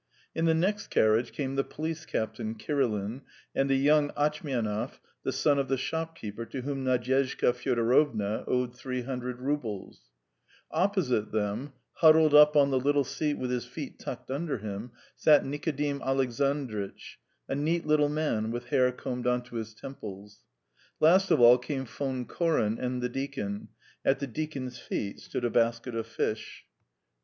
In the next carriage came the police captain, Kirilin, and the young Atchmianov, the son of the shopkeeper to whom Nadyezhda Fyodorovna owed three hundred roubles; opposite them, huddled up on the little seat with his feet tucked under him, sat Nikodim Alexandritch, a neat little man with hair combed on to his temples. Last of all came Von Koren and the deacon; at the deacon's feet stood a basket of fish.